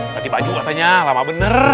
ganti baju katanya lama bener